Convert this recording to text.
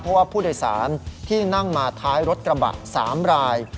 เพราะว่าผู้โดยสารที่นั่งมาท้ายรถกระบะ๓ราย